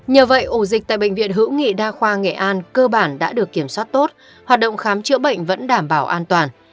nhờ vậy ổ dịch tại bệnh viện hữu nghị đa khoa nghệ an cơ bản đã được kiểm soát tốt hoạt động khám chữa bệnh vẫn đảm bảo an toàn